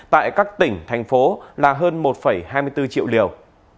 tại các tỉnh thành phố là hơn một hai mươi bốn triệu liều